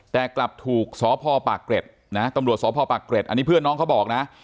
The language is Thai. แต่กลับถูกสพปากเกร็ดนะตำรวจสพปากเกร็ดอันนี้เพื่อนน้องเขาบอกนะ